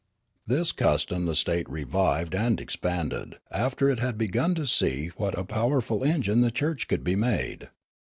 This custom the state revived and expanded, after it had begun to see what a powerful engine the Church could be made.